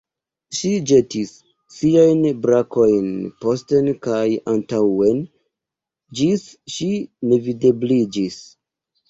Ŝi ĵetis siajn brakojn posten kaj antaŭen, ĝis ŝi nevidebliĝis.